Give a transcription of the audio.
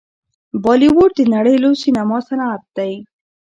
بالیووډ د نړۍ لوی سینما صنعت دی.